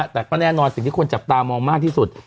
แต่ก็แน่นอนสิ่งที่คนจับตามองมากที่สุด